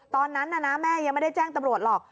ตอนนั้นน่ะนะแม่ยังไม่ได้แจ้งตำรวจหรอก